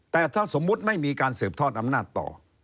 แต่ถ้าสมมุติไม่มีการสืบทอดอำนาจต่อ